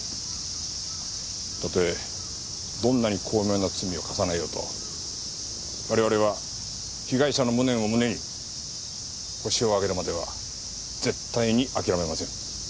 たとえどんなに巧妙な罪を重ねようと我々は被害者の無念を胸にホシを挙げるまでは絶対に諦めません。